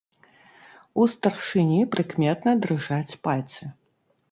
У старшыні прыкметна дрыжаць пальцы.